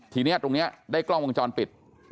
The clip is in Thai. ทีนี้ตรงนี้ได้กล้องวงจรปิด